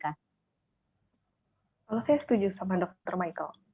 kalau saya setuju sama dokter michael